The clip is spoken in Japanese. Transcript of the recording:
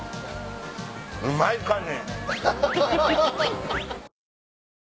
うまいかに。